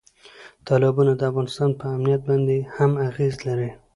تالابونه د افغانستان په امنیت باندې هم اغېز لري.